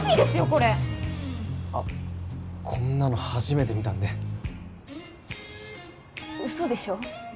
これあこんなの初めて見たんでウソでしょ？